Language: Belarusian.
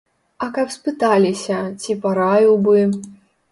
А каб спыталіся, ці параіў бы?